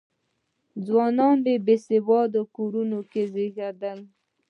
ځوانان په بې سواده کورنیو کې زېږېدل.